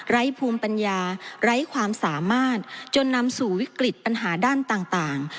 ภูมิปัญญาไร้ความสามารถจนนำสู่วิกฤตปัญหาด้านต่าง